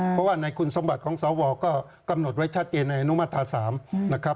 เพราะว่าในคุณสมบัติของสวรรค์ก็กำหนดไว้ชัดเกณฑ์ในอนุมัติธา๓